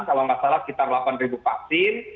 kalau enggak salah sekitar delapan vaksin